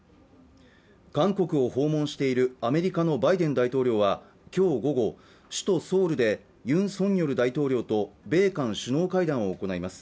韓国を訪問しているアメリカのバイデン大統領はきょう午後首都ソウルでユン・ソンニョル大統領と米韓首脳会談を行います